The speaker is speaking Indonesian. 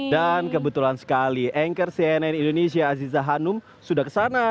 dan kebetulan sekali anchor cnn indonesia aziza hanum sudah kesana